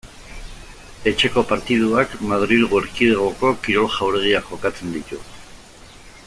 Etxeko partiduak Madrilgo Erkidegoko Kirol Jauregian jokatzen ditu.